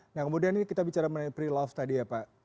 nah kemudian ini kita bicara mengenai pre love tadi ya pak